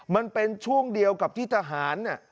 มันเป็นช่วงเดียวกับที่ทหารเนี่ย